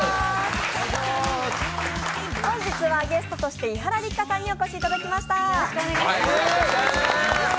本日はゲストとして伊原六花さんにお越しいただきました。